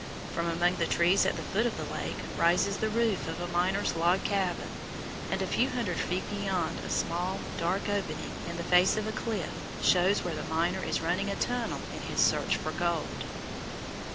From among the trees at the foot of the lake rises the roof of a miner's log cabin, and a few hundred feet beyond a small, dark opening in the face of a cliff shows where the miner is running a tunnel in his search for gold.